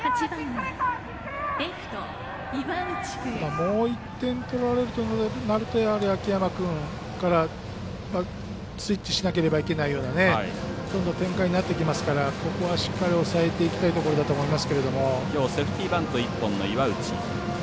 もう一点取られるとなるとやはり秋山君からスイッチしなければいけないような展開になってきますからここはしっかり抑えていきたいところだと思います。